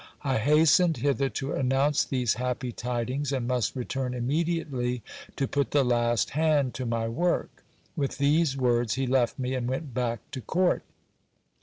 I hastened hither to announce these happy tidings, and must return immediately to put the last hand to my work. With these words, he left me, and went back to court.